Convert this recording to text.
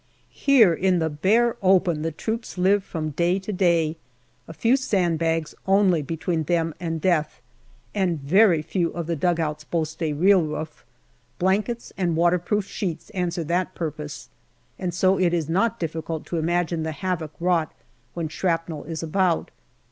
Here in the bare open the troops live from day to day, a few sand bags only between them and death, and very few of the dugouts boast a real roof ; blankets and waterproof sheets answer that purpose, and so it is not difficult to imagine the havoc wrought when shrapnel is about.